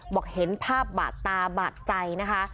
บอกเห็นภาพบาดตาบาดใจนะคะ